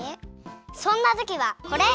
そんなときはこれ！